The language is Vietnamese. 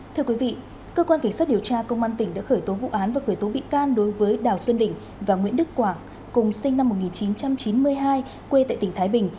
thưa quý vị cơ quan cảnh sát điều tra công an tỉnh đã khởi tố vụ án và khởi tố bị can đối với đào xuân đình và nguyễn đức quảng cùng sinh năm một nghìn chín trăm chín mươi hai quê tại tỉnh thái bình